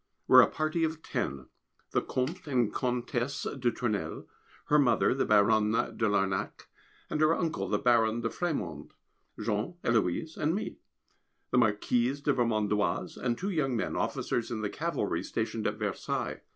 We are a party of ten. The Comte and Comtesse de Tournelle; her mother, the Baronne de Larnac, and her uncle, the Baron de Frémond, Jean, Héloise, and me; the Marquise de Vermondoise, and two young men, officers in the Cavalry, stationed at Versailles.